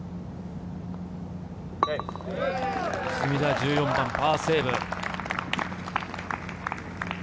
出水田、１４番、パーセーブ。